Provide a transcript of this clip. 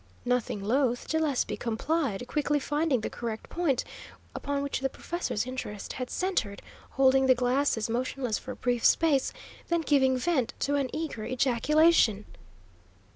Nothing loath, Gillespie complied, quickly finding the correct point upon which the professor's interest had centred, holding the glasses motionless for a brief space, then giving vent to an eager ejaculation.